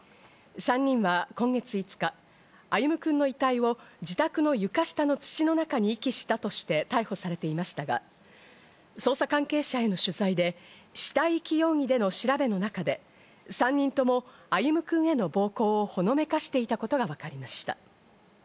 ３人は今月５日、歩夢君の遺体を自宅の床下の土の中に遺棄したとして逮捕されていましたが、捜査関係者への取材で、死体遺棄容疑での調べの中で、３人とも歩夢君への暴行をほのめかしていたことが分かりました。